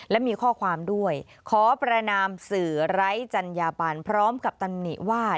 และมีข้อความด้วยขอประนามสื่อไร้จัญญาบันพร้อมกับตำหนิว่า